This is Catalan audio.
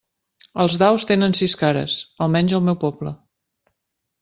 Els daus tenen sis cares, almenys al meu poble.